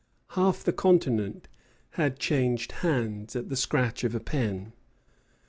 Half the continent had changed hands at the scratch of a pen.